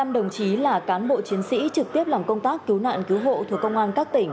một mươi đồng chí là cán bộ chiến sĩ trực tiếp làm công tác cứu nạn cứu hộ thuộc công an các tỉnh